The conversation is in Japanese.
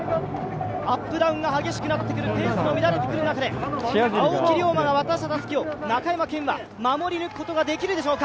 アップダウンが激しくなってくる、ペースも乱れてくる中で、青木涼真が渡したたすきを中山顕は守り抜くことができるでしょうか。